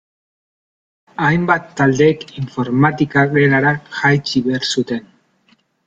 Hainbat taldek informatika gelara jaitsi behar zuten.